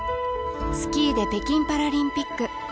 スキーで北京パラリンピック。